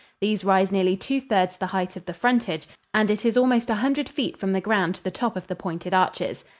These rise nearly two thirds the height of the frontage and it is almost a hundred feet from the ground to the top of the pointed arches.